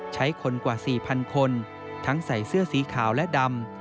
ใช้คนกว่า๔๐๐คนทั้งใส่เสื้อสีขาวและดำ